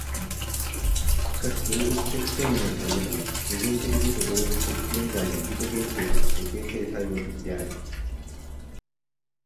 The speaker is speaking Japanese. しかし動物的生命といえども、矛盾的自己同一的現在の自己限定として形成作用的であり、